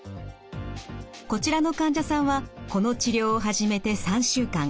こちらの患者さんはこの治療を始めて３週間。